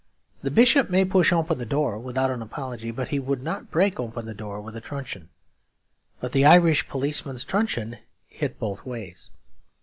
The bishop may push open the door without an apology, but he would not break open the door with a truncheon; but the Irish policeman's truncheon hits both ways.